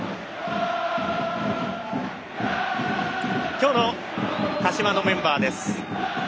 今日の柏のメンバーです。